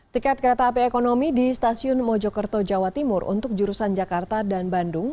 tiket kereta api ekonomi di stasiun mojokerto jawa timur untuk jurusan jakarta dan bandung